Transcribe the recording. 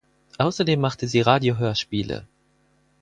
Außerdem machte sie Radio-Hörspiele.